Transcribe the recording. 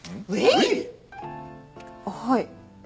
はい。